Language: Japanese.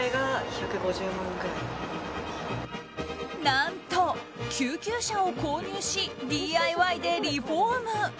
何と、救急車を購入しＤＩＹでリフォーム。